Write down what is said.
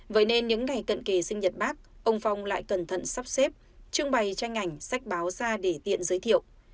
vậy nên những ngày cận kề sinh nhật bác ông phong lại cẩn thận sắp xếp trưng bày tranh ảnh sách báo ra để tiện giới thiệu